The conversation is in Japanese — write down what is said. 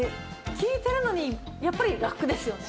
効いてるのにやっぱり楽ですよね。